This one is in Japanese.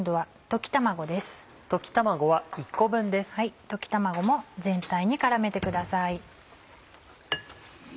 溶き卵も全体に絡めてください。